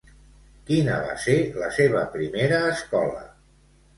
Quina va ser la seva primera escola?